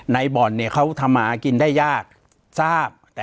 บ่อนเนี่ยเขาทำมาหากินได้ยากทราบ